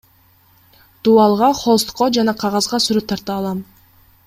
Дубалга, холстко жана кагазга сүрөт тарта алам.